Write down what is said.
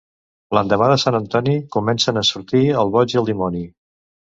L'endemà de Sant Antoni comencen a sortir el boig i el dimoni.